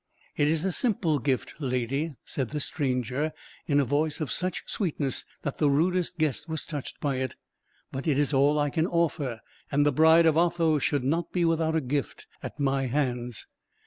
"It is a simple gift, ladye," said the stranger, in a voice of such sweetness that the rudest guest was touched by it. "But it is all I can offer, and the bride of Otho should not be without a gift at my hands.